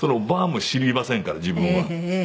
バン！も知りませんから自分は。